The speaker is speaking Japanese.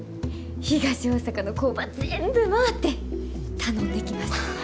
東大阪の工場全部回って頼んできます。